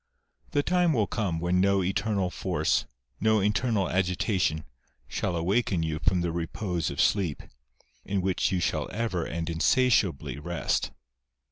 The time will come when no eternal force, no internal agitation, shall awaken you from the repose of sleep, in which you shall ever and insatiably rest.